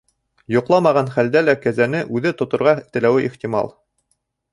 Йоҡламаған хәлдә лә кәзәне үҙе тоторға теләүе ихтимал.